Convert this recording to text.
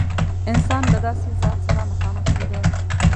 انسان له داسې ذات سره مخامخ لیده.